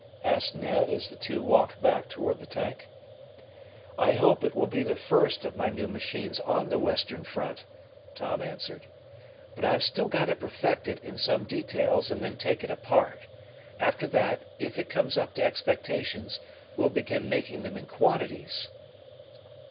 asked Ned, as the two walked back toward the tank. "I hope it will be the first of my new machines on the Western front," Tom answered. "But I've still got to perfect it in some details and then take it apart. After that, if it comes up to expectations, we'll begin making them in quantities."